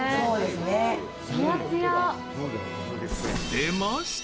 出ました！